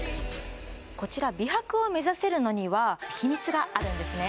こちら美白を目指せるのには秘密があるんですね